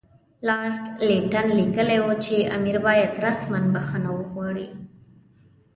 لارډ لیټن لیکلي وو چې امیر باید رسماً بخښنه وغواړي.